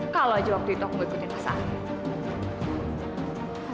kalau aja waktu itu aku gak ikutin pasangan